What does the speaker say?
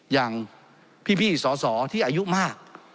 อย่างพี่สอสอที่อายุมาก